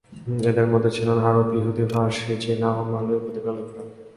এঁদের মধ্যে ছিলেন আরব, ইহুদি, পারসি, চীনা ও মালয় উপদ্বীপের লোকেরা।